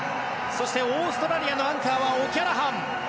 そしてオーストラリアのアンカーはオキャラハン。